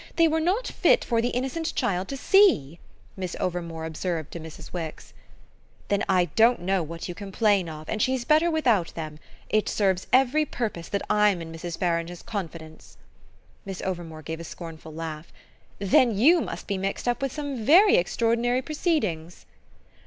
They were not fit for the innocent child to see," Miss Overmore observed to Mrs. Wix. "Then I don't know what you complain of, and she's better without them. It serves every purpose that I'm in Mrs. Farange's confidence." Miss Overmore gave a scornful laugh. "Then you must be mixed up with some extraordinary proceedings!"